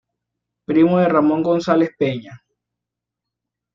Primo de Ramón González Peña.